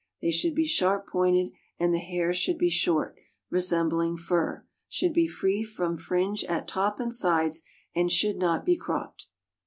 They should be sharp pointed, and the hair should be short, resembling fur; should be free from fringe at top and sides, and should not be cropped.